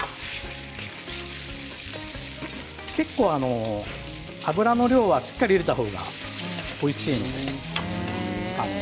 結構、油の量はしっかり入れた方がおいしいので。